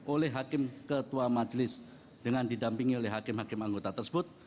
oleh hakim ketua majelis dengan didampingi oleh hakim hakim anggota tersebut